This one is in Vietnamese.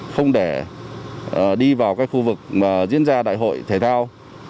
không để đi vào khu vực diễn ra đại hội thể thao